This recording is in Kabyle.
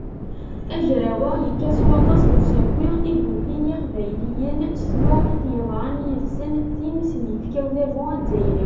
Agraw-a yekka s waṭas deg usaki i yukin yiqbayliyen s twaɣit yeḍran yid-sen, tin i sen-yefka udabu azzayri.